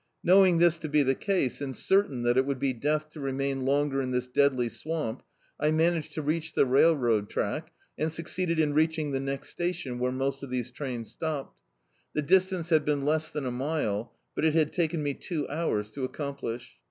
Knowing this to be the case, and certain that it would be death to remain longer in this deadly swamp, I managed to reach the railroad track, and succeeded in reach ing the next station, where most of these trains stopped. The distance had been less than a mile, but it had taken me two hours to accomplish.